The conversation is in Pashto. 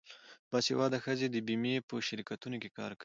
باسواده ښځې د بیمې په شرکتونو کې کار کوي.